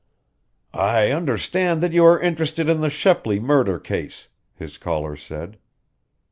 "I understand that you are interested in the Shepley murder case," his caller said.